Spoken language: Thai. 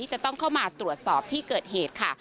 จะต้องเข้ามาตรวจสอบที่เกิดเหตุค่ะ